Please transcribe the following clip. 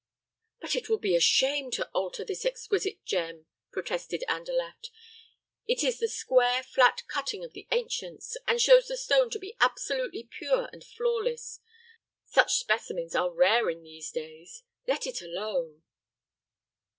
"But it will be a shame to alter this exquisite gem," protested Andalaft. "It is the square, flat cutting of the ancients, and shows the stone to be absolutely pure and flawless. Such specimens are rare in these days. Let it alone."